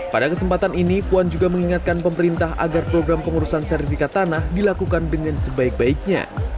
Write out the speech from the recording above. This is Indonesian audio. pada kesempatan ini puan juga mengingatkan pemerintah agar program pengurusan sertifikat tanah dilakukan dengan sebaik baiknya